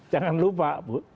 jangan lupa bu